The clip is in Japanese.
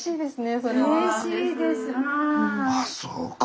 あそうか。